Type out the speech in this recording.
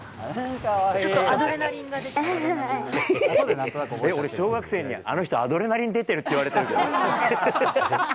ちょっとアドレナリンが出て俺、小学生に、あの人、アドレナリン出てるって言われてるけど。